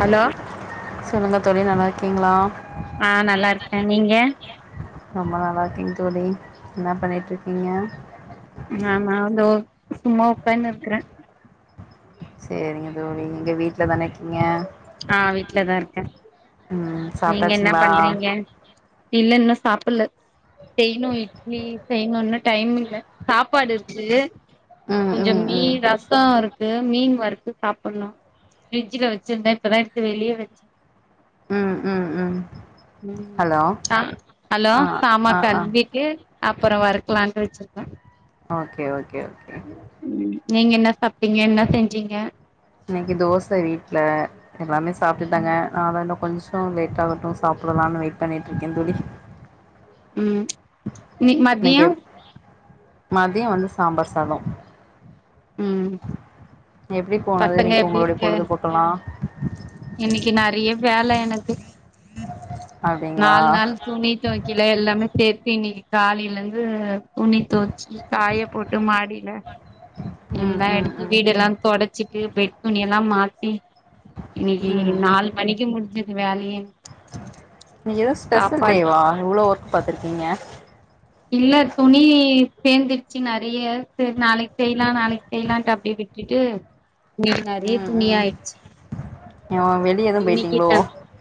hello சொல்லுங்க தோழி நல்லா இருக்கீங்ளா ஆஹ் நல்லா இருக்கே நீங்க ரொம்ப நல்லா இருக்கேங்க தோழி என்ன பண்ணிட்டு இருக்கீங்க நானா இதோ சும்மா உக்காந்துருக்குரே சேரிங்க தோழி எங்க வீட்டுல தானே இருக்கீங்க ஆஹ் வீட்டுலதா இருக்கே அஹ் நீங்க என்ன பண்றீங்க இல்ல இன்னு சாப்பிட்ல செய்யனு இட்லி செய்ணு இன்னு டைம் இல்ல சாப்பாடு இருக்கு ம் கொஞ்சோ ம் ம் மீன் ரசம் இருக் மீன் வறுத்து சாப்பிடுணு ஃப்ரிட்ஜ்ல வச்சிருந்தே இப்பதா எடுத்து வெளியே வச்சே உம் உம் உம் ம் அ ஹலோ ஆ சாமா ஆ ஆ கழுவிட்டு அப்பறோ வொர்க்லா அங்க வச்சிருப்பே ஓகே ஓகே ஓகே நீங்க என்ன சாப்டிங்க என்ன செஞ்சிங்க இன்னைக்கி தோச வீட்ல எல்லாமே சாப்டுட்டாங்க நாதா இன்னு கொஞ்சொ லேட்டாகட்டூ சாப்புடலானு வெயிட் பண்ணிட்ருக்கே தோழி உம் நீங்கெப் மதியொ வந்து சாம்பார் சாதோ ம் எப்டி போனது பசங்க இன்னைக்கி ஒங்களுடைய பொழுதுபோக்கலா இன்னிக்கி நெறையா வேல எனக்கு அப்டிங்களா நாலு நாள் துணி தொவைக்கல எல்லாமே சேத்து இன்னைக்கி காலைலந்தூ துணி துவச்சுட்டு காயப்போட்டு மாடியில ம் எல்லா ம் எடுத்து ம் வீடெல்லா தொடச்சிட்டு பெட் துணியெல்லா மாத்தீ இன்னைக்கீ ம் நால் மணிக்கி முடிஞ்சது வேலையே இன்னைக்கி எதா ஸ்பெஷல் சாப்பாடு டேவா இவ்வளோ ஒர்க் பாத்துருக்கீங்க இல்ல துணீ சேந்துர்ச்சி நெறையா செர் நாளைக் செய்லா நாளைக் செய்லான்ட்டு அப்டியே விட் டுட்டு இன்னைக்கி நெறையா துணியாய்டுச்சீ யோ வெளியெதூ பெய்ட்டிங்ளோ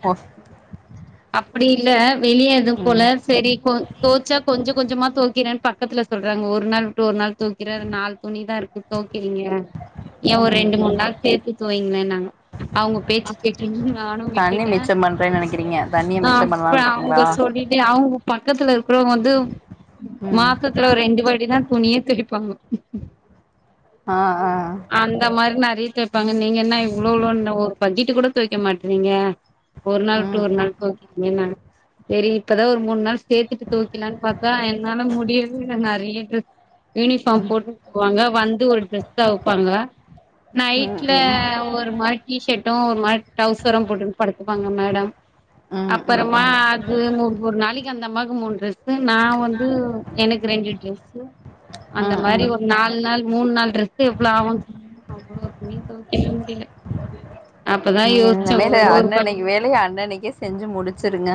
ஓ அப்டி இல்ல வெளியெதூ போல ம் செரி கொ தொவ்ச்சா கொஞ்சம கொஞ்சமா தொவைக்கிறேன் பக்கத்துல சொல்றாங்க ஒரு நாள் விட்டு ஒரு நாள் தொவைக்கிற நாலு துணிதா இருக்கு தோக்கிறீங்க ஏ ஒ ம் ரெண்டு ம் மூண் நாள் சேத்து தொவைங்களேனாங்க அவங்க பேச்சு கேட்டுன்னு நானூ தண்ணி விட்டுட்டே மிச்சம் பண்றேன்னு நெனைக்கிறீங்க தண்ணிய மிச்சம் அப்றொ பண்ணலான்னு அவங்க இருக்கீங்களா சொல்லிட்டு அவுங்க பக்கத்துல இருக்றவங்க வந்து ம் மாசத்துல ஒரெண்டு வாட்டிதா துணியே தொவைப்பாங்கோ ஆ ஆ அந்த மாரி நெறையா தொவைப்பாங்க நீங்க என்ன இவ்ளோளோனு ஒரு பக்கெட்டு கூட தொவைக்க மாட்றீங்க ஒரு நாள் விட்டு ம் ஒரு ம் நாள் தொவைக்கிறீங்கன்னாங்க செரி இப்பதா ஒரு மூண் நாள் சேத்துட்டு தொவைக்கலான் பாத் தா என்னால முடியவே இல்ல நெறையா ட்ரெஸ் யூனிஃபார்ம் போட்டு போவாங்க வந்து ஒரு ட்ரெஸ் சேர்வ் பண்ல ம் ம் நைட்ல ம் ஒர் ஒரு மாரி டீ ஷேட்டூ ஒரு மாரி டௌசரூ போட்டுட்டு படுத்துப்பாங்க மேடம் அப்புறமா ம் அது ஒரு நாளைக்கு அந்தம்மாக்கு மூணு டிரெஸ்ஸு நா வந்தூ எனக்கு ரெண்டு ட்ரஸ்ஸு அந்த ம் ம் மாரி ம் ஒரு நாலு நாள் மூண் நாள் ட்ரெஸ்ஸு எவ்ள அவ்வளோ துணி தொவைக்கவே முடியல அப்பதா நீங்க யோசிச்சே இன்னிமேலூ ஒரு ஒரு ப அன்னனைக்கு வேலைய அன்னனைக்கே செஞ்சி முடிச்சிருங்க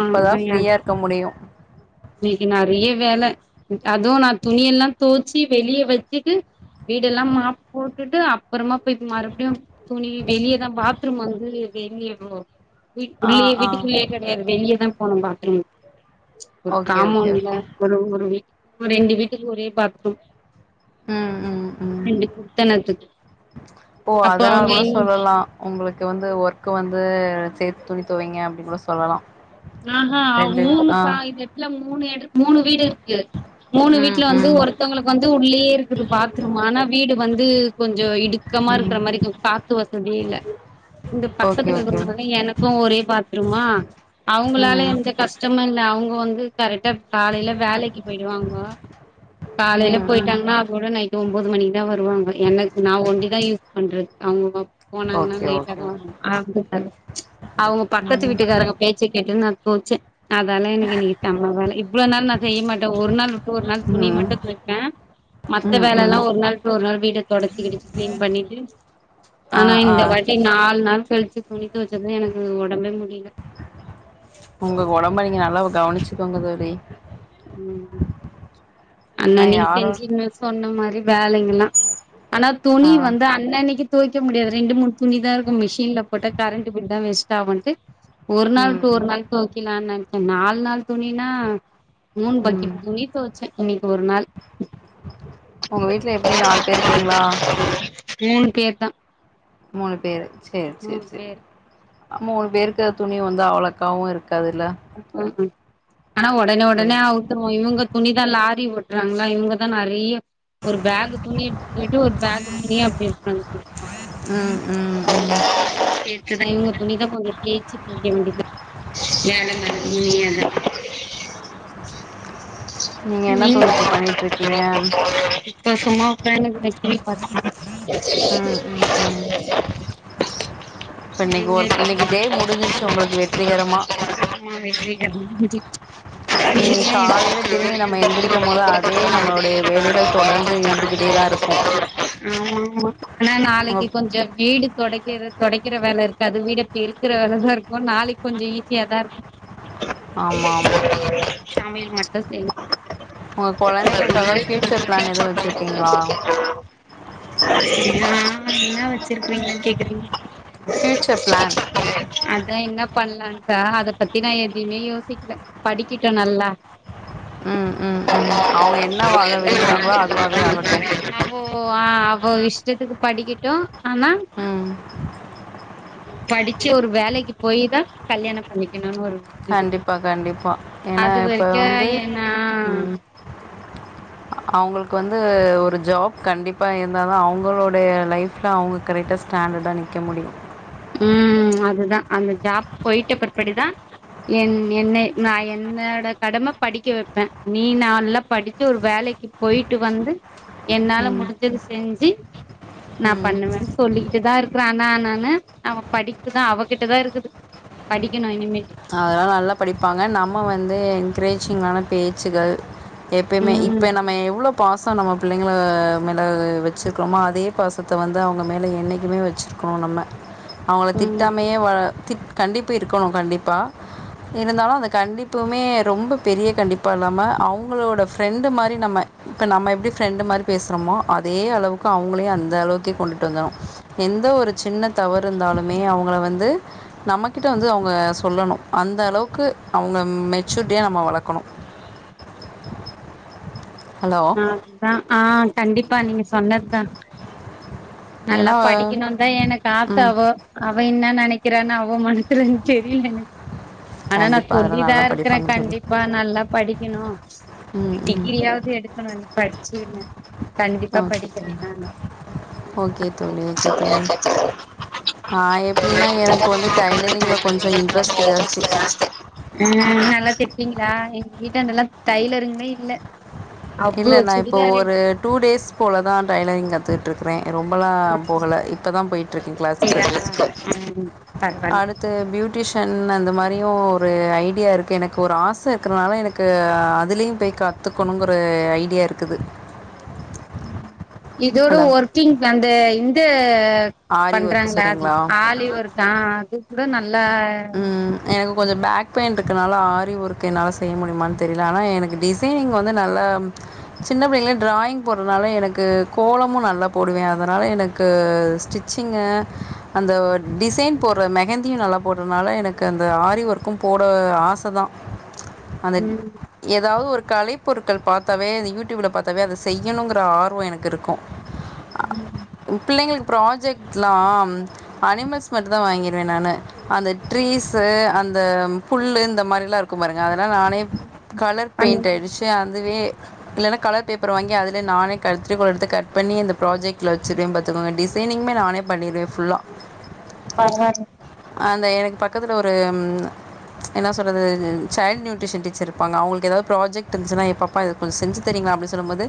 அப்பதா ஃப்ரீயார்க்க முடியூ இன்னைக்கி நெறைய வேல அதுவு நா துணியெல்லா தொவ்ச்சி வெளிய வச்சிடு வீடெல்லா மாப் போட்டுட்டு அப்பறமா பொய்ட் மறுபடியு துணி வெளியதா பாத்ரூம் வந்து வெளியவோ வீட் ஆ உள்ளயே ஆ வீட்டுக்குள்ளயே கெடையாது வெளியதா போணூ பாத்ரூம் ஒரு ஓகே ஓகே காமௌண்ட்ல ஓகே ஒரு ஒரு வீட்டு ரெண்டு வீட்டுக் ஒரே பாத்ரூம் ம் ம் ம் ரெண்டு குடுத்தனத்துக் ஓ அப்போ அதனால அவங்க கூட எங் சொல்லலா உங்களுக்கு வந்து ஒர்க்கு வந்து சேத்து துணி துவைங்க அப்டி கூட சொல்லலா ஆஹா அவ் ரெண்டு மூணு ஆ காய்லெட்ல மூணு எட மூணு வீடிருக்கு மூணு ம் வீட்ல வந்து ம் ஒருத்தவங்களுக்கு வந்து உள்ளயே இருக்குது பாத்ரூம் ஆனா வீடு வந்து கொஞ்சோ இடு கமா ம் இருக்குற மாரிக்கூ காத்து வசதியே இல்ல இந்த ஓகே பக்கத்துல ஓகே இருக்கறவங்க வந்து எனக் இப்ப ஒரே பாத்ருமா அவ்ங்களால ம் எந்த கஷ்டமு இல்ல அவுங்க வந்து கரெக்டா காலையில வேலைக்கு போயிடுவாங்கோ காலையில ம் போயி ம் ட்டாங்கன்னா அதோட நைட்டு ஒன்போது மணிக்கு தா வருவாங்க எனக்கு நா ஒண்டிதா யூஸ் பண்றது அவ்ங்க போனாங்கன்னா ஓகே லேட்டாத ஓகே வரு‌வாங்க அவுங்க பக்கத்து ம் வீட்டுக்காரங்க சே கெட்டுன்னு நா தோச்சே அதால எனக்கு இன்னிக்கி செமவேல இவ்ளோ நாள் நா செய்ய மாட்டே ஒரு நாள் ஒரு நாள் துணி ம் மட்டு தோய்ப்பே மத்த ம் வேலல்லா ம் ஒரு நாள் ஒரு நாள் வீட தொடச்சு கிடிச்சு கிளீன் பண்ணிட்டு ஆ ஆனா ஆ இந்த வாட்டி நால் நாள் கழிச்சு துணி தொவச்சத்தா எனக்கு உடம்பே முடியல உங்க உடம்ப நீங்க நல்லா கவனிச்சுக்கோங்க தோழி ம் ஏன்னா அன்னன்னிக்கு யாரு செஞ்சுர்னு சொன்ன மாரி வேலைங்கல்லா ஆனா ஆ துணி வந்து அன் னன்னிக்கு தோய்க்க முடியாது ரெண்டு மூணுதுணிதா இருக்கு மிஷின்ல போட்ட கரண்ட் பில் தா வேஸ்ட் ஆகுன்ட்டு ஒரு நாள் ம் ட்டு ஒரு ம் நாள் தோய்க்கிலான்னு நெனைச்சே நால் நாள் துணினா மூண் ம் பக்கிட் துணி தோச்சே இன்னிக்கு ஒரு நாள் உங்க வீட்ல எப்டி நால் பேர் இருப்பீங்ளா மூணு பேர் தா மூணு பேரு சேர் மூணு செரி செரி பேர் மூணு பேருக்கு துணி வந்து அவ்ளோக்காவு இருக்காது இல்ல [unintelligible] ஆனா உடனே உடனே அவுத்துருவோ இவ்ங்க துணிதா லாரி ஓட்டுறாங்ளா இவுங்கதா நெறைய ஒரு பேக்கு துணி எடுத்துட்டு போயிட்டு ஒரு பேக்கு துணி அப்டி எடுத்துனு வந்து குடுப்பாங்க ம் ம் ம் கேக்குதா இவங்க துணிதா கொஞ்ச தேச்சு தோய்க்க வேண்டிதா வேலன்னு [unintelligible] என்ன நீங்க தோழி இப்போ பண்ணிட்ருக்கீங்க இப்ப சும்மா உக்கான்னுகிறே டிவி பாத்துனு ம் ம் ம் இப்ப இன்னைக்கு நீங்க ஒரு இன்னைக்கு டே முடிஞ்சிருச்சு உங்களுக்கு வெற்றிகரமா ஆ வெற்றிகரமா முஞ்சிச் இனி காலையில திரும்பி நம்ம எந்திரிக்கும் போது அதே நம்மளுடைய வேலைகள் தொடர்ந்து இருந்துகிட்டேதா இருக்கும் ஆமா ஆமா ஆனா நாளைக்கு கொ ஞ்சோ வீடு தொடைக்கிற தொடைக்கிற வேலை இருக்கு அது வீடபெருக்கிற வேலைதா இருக்கு நாளைக் கொஞ்சோ ஈஸியா தா இருக்கு ஆமா ஆமா சமையல் மட்டு செய்ணு உங்க கொழந்தைங்களுக்காக ஃப்யூச்சர் பிளான் எதுவு வச்சிருக்கீங்களா [unintelligible] ஆ ன்னா வெச்சிருக்கறீங்கன்னு கேக்கறீங்க ஃப்யூச்சர் ப்ளான் அதா என்ன பண்ணலான்ட்டா அத பத்தி நா எதயுமே யோசிக்கல படிக்கிட்டு நல்லா ம் ம் ம் அவங்க என்னவாக விரும்புறாங்களோ அதுவாவே ஆகட்டு [inaudible] ஓ ஆ அவ இஷ்டத்துக்கு படிக்கட்டு ஆனா ம் படிச்சு ஒரு வேலைக்கு போயி தா கல்யாணோ பண்ணிக்கணுன்னு ஒரு இது கண்டிப்பா கண்டிப்பா ஏனா அது இப்ப வரைக்கு வந்து ஏன்னா ம் அவ்ங்களுக்கு வந்து ஒரு ஜாப் கண்டிப்பாக இருந்தாதா அவங்களுடைய லைஃப் ப்தா அவங்க கரெக்டா ஸ்டேண்டர்டா நிக்கமுடியு ம் அதுதா அந்த ஜாப் போயிட்ட பிற்ப்பாடுதா என் என்னை நா என்னோட கடமை படிக்க வைப்பே நீ நல்லா படி சு ஒரு வேலைக்கு போய்ட்டு வந்து என்னால ம் முடிஞ்சது செஞ்சு நா ம் பண்ணுவே சொல்லிகிட்டு தா இருக்கற ஆனா நானு அவ படிப்புதா அவகிட்ட தா இருக்குது படிக்கணு இனிமேட்டு அதெல்லா நல்லா படிப்பாங்க நம்ம வந்து என்கரேஜிங்கான பேச்சுகள் எப்பயுமே ம் இப்ப நம்ம எவ்ளோ பாச நம்ம பிள்ளைங்கள மேலே வச்சுருக்கறோமோ அதே பாசத்த வந்து அவங்க மேலே என்னைக்குமே வச்சிரு கோ நம்ம அவங்கள திட்டாமையே ம் வ திட் கண்டிப்பு இருக்கணு கண்டிப்பா இருந்தாலு அந்த கண்டிப்புமே ரொம்ப பெரிய கண்டிப்பா இல்லாம அவங்களோட ஃப்ரெண்டு மாரி நம்ம இப்ப நம்ம எப்டி ஃப்ரெண்டு் மாரி பேசறமோ அதே அளவுக்கு அவங்களையு அந்த அளவுக்கே கொண்டுட்டு வந்துருணு எந்த ஒரு சின்ன தவறு இருந்தாலுமே அவங்கள வந்து நம்மகிட்ட வந்து அவங்க சொல்லணு அந்த அளவுக்கு அவங்க மெச்சூரிட்டியா நம்ம வளக்கணு அ தா ஆ கண்டிப்பா நீங்க சொன்னதுதா நல்லா ஏன்னா படிக்கணுந்தா எனக் ஆசை ம் அவ அவ என்ன நினைக்கிறான்னு அவ மனசுல தெரில எனக்கு ஆனா நா கண்டிப்பாக அதெல்லாம் சொல்லிதா நல்லா இருக்குறே படிப்பாங்க தோழி கண்டிப்பா நல்லா படிக்கணு ஒரு ம் ம் டிகிரியாவது எடுக்கணு நீ படிச்சுன கண்டிப்பா ஓகே தோழி படிக்கிறேன் நானு ஓகே [unintelligible] ஆ எப்டினா எனக்கு வந்து டைலரிங்ல கொஞ்ச இன்ட்ரெஸ்ட்டு ஜாஸ்தி அ நல்லா தெப்பீங்களா எங்க வீட்டாண்டல்லா டைலருங்களே இல்ல இல்ல அவ்ளோ நா இப்ப சுடிதார் ஒரு எடுத்து டூ டேஸ் போல தா ட்ரைலரிங் கத்துட் டுருக்குறே ரொம்பலா போகல இப்பதா போயிட்டு இருக்கே கிளாஸ்க்கு ம் பரவால்ல அடு து பியூட்டிஷன் அந்த மாரியு ஒரு ஐடியா இருக்கு எனக்கு ஒரு ஆசை இருக்றனால எனக் கு அதுலயு போயி கத்துக்கணுங்கற ஐடியா இருக்குது இதோட ஹலோ ஒர்க்கிங் வந்து இந்த ஆரி ஒர்க்கு பண்றாங்ளா சொல்கிறீங்களா ஆலி ஒர்க்கா அது கூட நல்லா ம் எனக்கு கொஞ்ச பேக் பெயின் ருக்கறனால ஆரி ஒர்க்கு என்னால செய்ய முடியுமான்னு தெரில ஆனா எனக்கு டிஸ் சைனிங் வந்து நல்லா சின்ன பிள்ளைல டிராயிங் போறதுனால எனக்கு கோலமு நல்லா போடுவே அதனால எனக்கு ஸ்டி சிங்கு அந்த டிசைன் போட்ற மெகந் தியு நல்லா போட்றனால எனக்கு அந்த ஆரி ஒர்க்கும் போட ஆசை தா அந்த ம் ஏதாவது ஒரு கலைப் பொருட்கள் பாத்தாவே அந்த யூடியூப்ல பாத்தாவே அத செய்யணுங்கிற ஆர்வ எனக்கு இருக்கு ம் ம் பிள்ளைங்களுக் ப்ராஜெக்ட்லாம் அனிமல்ஸ் மட்டு தா வாங்கியிருவே நானு அந்த ட்ரீஸ்சு அந்த புல்லு இந்த மாறில்லா இருக்கு கும் பாருங்க அததெல்லா நானே கலர் பண் பெயிண்ட் அடிச்சு அதுவே இல்லனா கலர் பேப்பரு வாங்கி அதுல நானே கத்ரிகோல் எடுத்து கட் பண்ணி இந்த ப்ராஜக்ட்ல வச்சிருவ பாத்துக்கோங்க டிஸ் பெயிண்டிங்மே நானே பண்ணிருவே ஃபுல்லா பரவால்ல அந்த எனக்கு பக்கத்துல ஒரு ம் என்னா சொல்றது சைள்டு நியூட்ரிஷன் டீச்சருப்பாங்க அவங்களுக் ஏதாவது ப்ராஜெக்ட் இருந்துச்சுனா இப்ப பா இது கொஞ்ச செஞ்சுதறீங்களா அப்டி சொல்லும் போது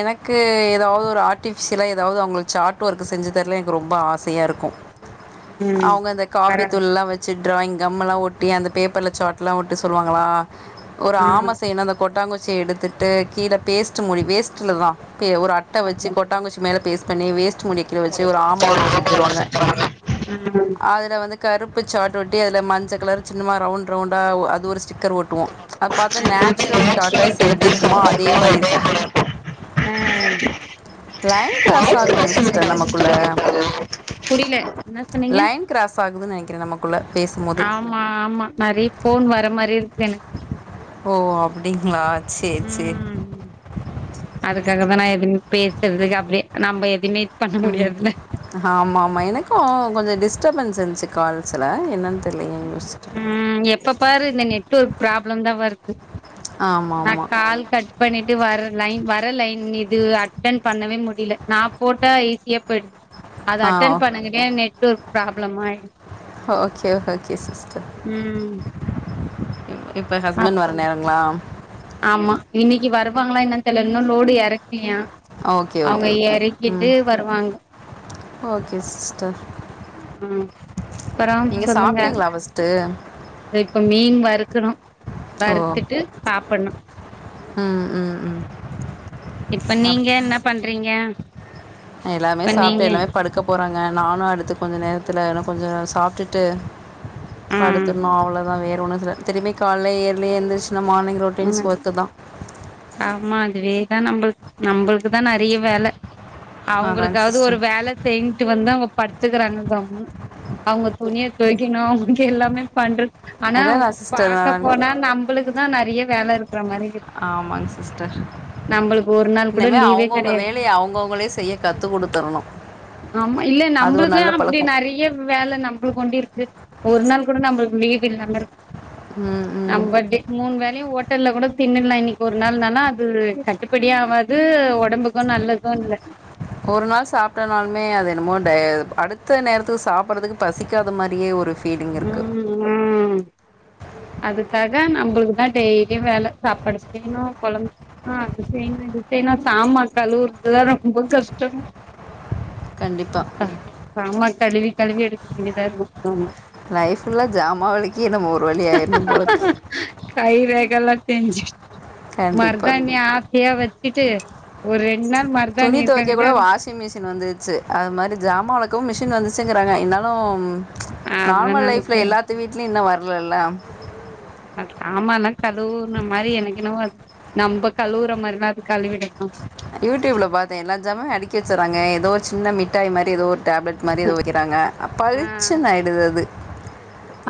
எனக்கு ஏதாவது ஒரு ஆர்ட்டிஃபிஷியலா ஏதாவது அவங்களுக்கு சார்ட் ஒர்க்கு செஞ்சு தரதுல எனக்கு ரொம்ப ஆசையா இருக்கு ம் காப்பி பரவால்ல தூள்லா வச்சு ட்ராயிங் கம் எல்லா ஒட்டி அந்த பேப்பர்ல் சாட்லா ஒட்ட சொல்லுவாங்களா ஒரு ஆம ம் செய்யனு அந்த கொட்டாங்குச்சிய எடுத்துட்டு கீழ பேஸ்ட்டு மூடி வேஸ்ட்டுல தா பே ஒரு அட் டவச்சு கொட்டாங்கச்சி மேல பேஸ்ட் பண்ணி வேஸ்ட் முடி கிழ வச்சு ஒரு ஆம உருவோ செஞ்சிருவங்க அதுல் அதுல வந்து கருப்பு சார்ட் ஒட்டி அதுல மஞ்ச கலரு சின்னமா ரவுண்ட் ரவுண்டா ஒ அது ஒரு ஸ்டிக்கர் ஒட் டுவோ அது பாத்தா நேச்சுரல் டாட்டாய்ஸ் எப்டி இருக்குமோ அதே மாறி இருக்கு லைன் கிராஸ் ஆகுதாங்க சிஸ்டர் நமக்குள்ள புரில இன்னா சொன்னிங்க லைன் கிராஸ் ஆகுதுன்னு நெனைக்கிறே நமக்குள்ள பேசும்போது ஆமா ஆமா நெறைய ஃபோன் வர மாறி இருக்கு எனக் ஓ அப்டிங்ளா சேர் சேர் ம் அதுக்காக தா நா எதுமே பேஸ்றதுக்கு அப்டியே நம்ப எதுமே ம் ஆமா ஆமா எனக்கோ கொஞ்ச டிஸ்டபன்ஸ் இருந்ச்சு கால்ஸ்ல என்னன்த் தெர்லங்க யோஸ்ச்சிட்ருந்த ம் எப்ப பாரு இந்த நெட்ஒர்க் ப்ராப்ளம் தா வருது ஆமா நா ஆமா கால் கட் பண்ணிட்டு வர லைன் வர லைன் இது அட்டன் பண்ணவே முடில நா போட்டா ஈஸியா போய்டுது அத ஆ அட்டென் பண்ணங்கட்டியு நெட்ஒர்க் ப்ராப்ளமாய்டுது ஓக்கே ஓக்கே சிஸ்டர் ம் இப் இப்ப ஹஸ்பண்ட் அப்போ வர நேரங்ளா ஆமா இன்னிக்கி வருவாங்ளா என்னன்த் தெர்ல இன்னு லோடு எறக்லியா ஓகே அவுங்க ஓகே ஓகே ம் எறக்கிட்டு வருவாங்க ஓகே சிஸ்டர் ம் அப்பறோ நீங்க சொல்லுங்க சாப்ட்டிங்ளா ஃபஸ்ட்டு இப்ப மீன் வறுக்கணு ஓ வறுத்துட்டு சாப்பட்ணு ம் ம் ம் இப்ப அப் நீங்க இன்ன பண்றிங்க எல்லாமே சாப்ட்டு எல்லாமே படுக்க போறாங்க நானு அடுத்து கொஞ்ச நேரத்துல இன்னு கொஞ்சோ சாப்ட்டுட்டு ஆ படுத்துர்ணு அவ்ளதா வேற ஒண்ணு சில திரும்பி கால்ல இயர்லி எந்துருச் நா மார்னிங்கு ரொட்டின்ஸ் ம் ஒர்க்கு தா ஆமா அதுவே தா நம்புள்க் நம்புள்க்கு தா நெறைய வேல அதாங்க அவுங்ளுக்காவ்து ஒரு சிஸ்டர் வேல செய்ன்ட்டு வந்தா அவ்ங்க படுத்துக்குறாங்க கம்முனு அவுங்க துணிய தோய்க்கணு அவ்ங்ளுக்கு எல்லாமே பண்றத் ஆனா அதா நா சிஸ்டர் பாக்க போனா நம்புளுக்குதா நெறய வேலருக்குற மாறி இர் ஆமாங் சிஸ்டர் ஒரு நாள் கூட இனிமே லீவே அவுங்கவுங்க கெடையாது வேலய அவுங்கவுங்களே செய்ய கத்து குடுத்துரணு ஆமா இல்ல நம்ப்ளுக்கு அப்டி நெறைய வேல நம்புளுக் ஒண்டி இருக்கு ஒரு நாள்க் கூட நம்புளுக்கு லீவு இல்லாம இருக்கு ம் ம் நம்பட்டே மூண் வேலயு ஹோட்டல்ல கூட தின்னுலா இன்னிக் ஒரு நாள் தான அது கட்டுப்படியாவாது ஒடம்புக்கு நல்லது இல்ல ஒரு நாள் சாப்ட்டனாலுமே அது என்னமோ ட அடுத்த நேரத்துக்கு சாப்பட்றதுக்கு பசிக்காத மாறியே ஒரு ஃபீலிங் இருக்குது ம் ம் அதுக்காக நம்புளுக்குதா டெய்லியு வேல சாப்பாடு செய்ணு கொழம்பு செய் ணு அது செய்னோ இது செய்ணு சாமா கழுவுற்துதா ரொம்ப கஷ்டமே கண்டிப்பா சாமா கழுவி கழுவி எடுக்க வேண்டிதா இருக்கு ஆமா லைஃபுல்லா ஜாமா வெலக்கியே நம்ம ஒரு வழி ஆய்ட்ணு போலருக் கை ரேகல்லா தேஞ்சிடு கண்டிப்பாக மர்தானி ஆசயா வச்சிட்டு ஒரு ரெண்ட் நாள் மருதானி இருக்க காட்யு அது ஷிங் மிஷின் வந்துட்ச்சு அது மாறி ஜாமா வெக்கவு மிஷின் வந்துச்சுங்குறாங்க இர்ந்தாலு அத நார்மல் லைஃப்ல நெனச்சே எல்லாத்து வீடலயு இன்னு வர்லல்ல சாமால்லா கழுவுன மாறி எனக்குன அத் நம்ப கழுவுற மாறிலா அது கழுவிடுமா யூடுப்ல பாத்தே எல்லா ஜாமாவயு அடிக்கி வச்சிறாங்க எதோ சின்ன மிட்டாய் மாறி எதோ ஒர் டேப்லட் மாறி எதோ வெக்கிறாங்க ஆ பளிச்சின்னு ஆய்டுது அது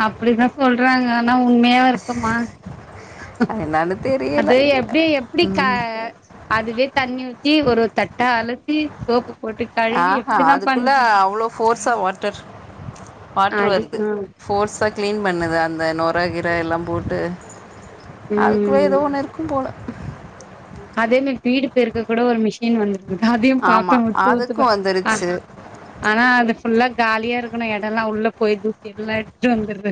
அப்டிதா சொல்றாங்க ஆனா உண்மயா ர்க்குமா அது என்னன்னு அது எப்டி தெரியல எப்டிக் கா அதுவே தண்ணி ஊத்தி ஒர்ரோர்த் தட்டா அலசி சோப்புப் போட்டு ஆ கழுவி ஹா எப்டிதா அதுக்குள்ள பண்ணுதுங்க அவ்ளோ ஃபோர்ஸ்ஸா வாட்டர் வாட்ரு அடி வருது ஆ ஃபோர்ஸா க்ளீன் பண்ணுது அந்த நொற கிர எல்லாம் போட்டு அது ம் ஏதோ ஒன்னு இருக்கும் போல அதே மெரி வீடு பேருக்கு கூட ஒரு மிஷின் வந்துருக் அதையும் பாத்தே ஆமா உத்து உத்து அதுக்கு பா ஆ வந்துருச்சு ஆனா அது ஃபுல்லா காலியா ருக்கணு எடல்லா உள்ள போய் தூசி எல்லா எடுத்துட்டு வந்துருது